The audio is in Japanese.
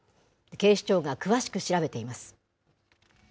警視庁が詳しく調べています。